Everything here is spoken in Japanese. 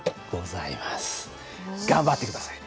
頑張って下さい。